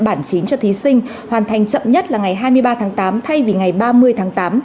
bản chín cho thí sinh hoàn thành chậm nhất là ngày hai mươi ba tháng tám thay vì ngày ba mươi tháng tám